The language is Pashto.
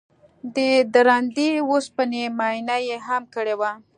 د درندې وسپنې معاینه یې هم کړې وه